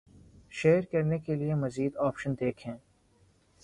share کرنے کے لیے مزید آپشن دیکھ„یں